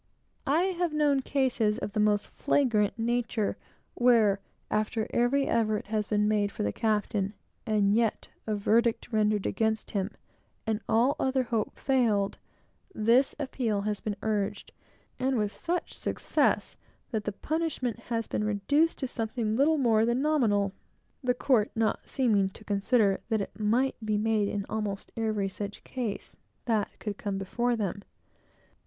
I have known cases of the most flagrant nature, where after every effort has been made for the captain, and yet a verdict rendered against him, and all other hope failed, this appeal has been urged, and with such success that the punishment has been reduced to something little more than nominal, the court not seeming to consider that it might be made in almost every such case that could come before them.